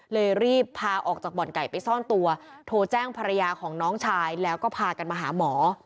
รีบพาออกจากบ่อนไก่ไปซ่อนตัวโทรแจ้งภรรยาของน้องชายแล้วก็พากันมาหาหมอ